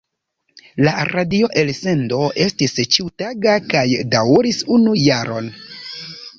La radio-elsendo estis ĉiutaga kaj daŭris unu jaron.